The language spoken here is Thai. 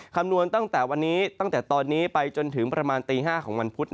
คำนวณตั้งแต่ตอนนี้ไปจนถึงประมาณตี๕ของวันพุธ